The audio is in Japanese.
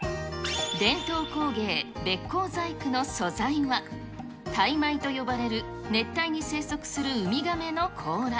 伝統工芸、べっ甲細工の素材は、タイマイと呼ばれる熱帯に生息する海亀の甲羅。